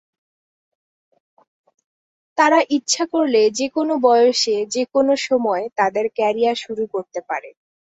তারা ইচ্ছা করলে যেকোনো বয়সে যেকোনো সময় তাদের ক্যারিয়ার শুরু করতে পারে।